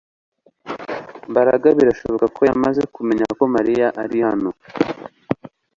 Mbaraga birashoboka ko yamaze kumenya ko Mariya ari hano